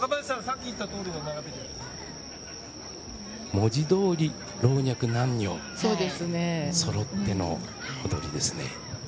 文字どおり老若男女そろってますね。